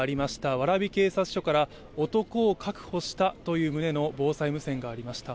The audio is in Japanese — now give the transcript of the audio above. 蕨警察署から男を確保したとという旨の防災無線がありました。